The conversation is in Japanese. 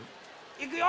いくよ！